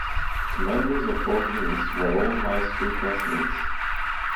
The commanders of both units were old high school classmates.